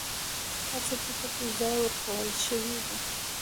هر څه ته پکې ځای ورکول شوی دی.